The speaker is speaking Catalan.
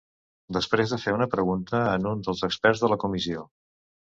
Després de fer una pregunta en un dels experts de la comissió.